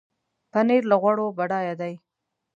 پنېر له غوړو بډایه دی.